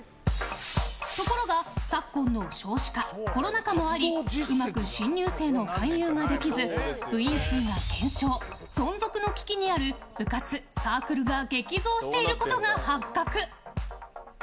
ところが昨今の少子化、コロナ禍もありうまく新入生の勧誘ができず部員数が減少、存続の危機にある部活・サークルが激増していることが発覚。